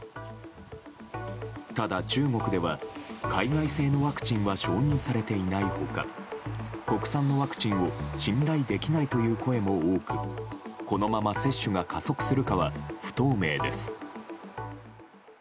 ただ、中国では海外製のワクチンは承認されていない他国産のワクチンを信頼できないという声も多くこのまま接種が加速するかは不透明です。